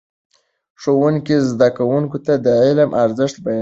ښوونکي زده کوونکو ته د علم ارزښت بیانوي.